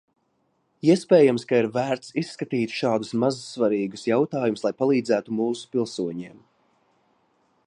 Iespējams, ka ir vērts izskatīt šādus mazsvarīgus jautājumus, lai palīdzētu mūsu pilsoņiem.